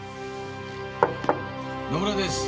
野村です。